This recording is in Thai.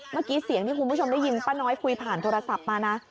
เมื่อกี้เสียงที่คุณผู้ชมได้ยินป้าน้อยคุยผ่านโทรศัพท์มานะ